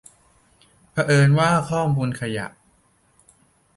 เผอิญว่าข้อมูลขยะ